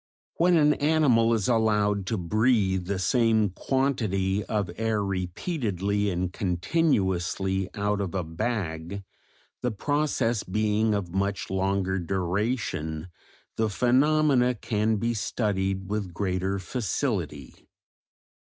When an animal is allowed to breathe the same quantity of air repeatedly and continuously out of a bag, the process being of much longer duration, the phenomena can be studied with greater facility."